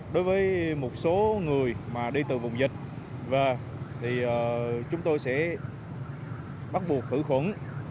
đối với một số người mà đi từ vùng dịch về thì chúng tôi sẽ bắt buộc khử khuẩn